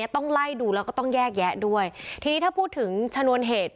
ต้องไล่ดูแล้วก็ต้องแยกแยะด้วยทีนี้ถ้าพูดถึงชนวนเหตุ